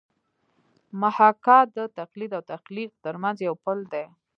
محاکات د تقلید او تخلیق ترمنځ یو پل دی